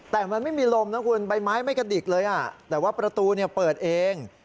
แต่มันไม่มีลมนะคุณใบไม้ไม่กระดิกเลยแต่ว่าประตูเปิดเอง